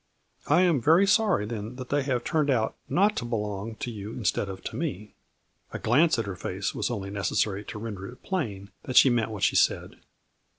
" I am very sorry then that they have turned out not to belong to you instead of to me." A glance at her face was only necessary to render it plain that she meant what she said.